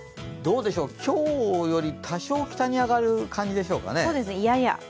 今日より多少、北に上がる感じでしょうかね。